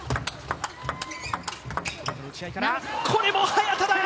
これも早田だ！